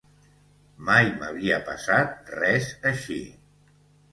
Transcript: Mai m'havia passat res aix